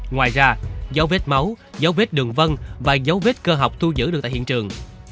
ngoài ra dấu vết máu dấu vết đường vân và dấu vết cơ học thu giữ được tại hiện trường